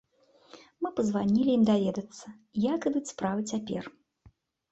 Мы пазванілі ім даведацца, як ідуць справы цяпер.